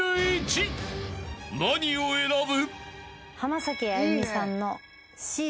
［何を選ぶ？］